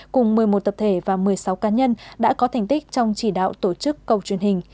cùng một mươi một tập thể và một mươi sáu cá nhân đã có thành tích trong chỉ đạo tổ chức cầu truyền hình